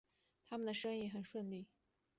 他们的生意很顺利